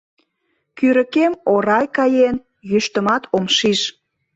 Кӱрыкем орай каен, йӱштымат ом шиж.